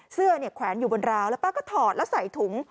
เสื้อเนี่ยแขวนอยู่บนราวแล้วป้าก็ถอดแล้วใส่ถุง